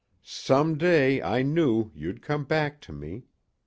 Some day, I knew, you'd come back to me.